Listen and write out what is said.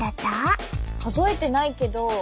数えてないけど。